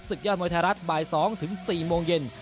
ยอดมวยไทยรัฐบ่าย๒ถึง๔โมงเย็น